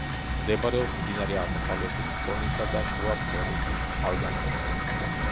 მდებარეობს მდინარე აღმოსავლეთის ფრონისა და შუა ფრონის წყალგამყოფზე.